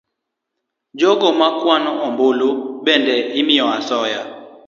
Jogo ma kwano ombulu bende imiyo asoya